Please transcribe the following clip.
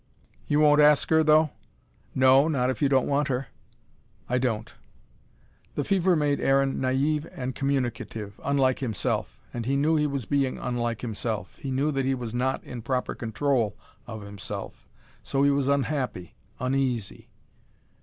"You won't ask her, though?" "No, not if you don't want her." "I don't." The fever made Aaron naive and communicative, unlike himself. And he knew he was being unlike himself, he knew that he was not in proper control of himself, so he was unhappy, uneasy.